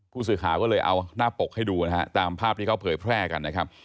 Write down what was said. ผู้สื่อข่าวก็เลยเอาหน้าปกให้ดูนะฮะตามภาพที่เขาเผยแพร่กันนะครับ